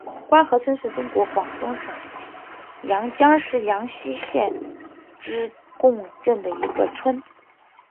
官河村是中国广东省阳江市阳西县织贡镇的一个村。